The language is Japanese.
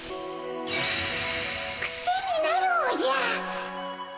クセになるおじゃ。